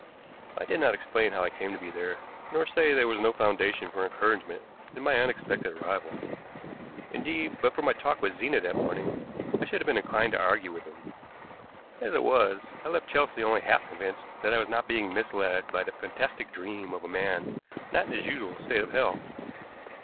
I did not explain how I came to be there, nor say there was no foundation for encouragement in my unexpected arrival. Indeed, but for my talk with Zena that morning, I should have been inclined to argue with him. As it was, I left Chelsea only half convinced that I was not being misled by the fantastic dream of a man not in his usual state of health.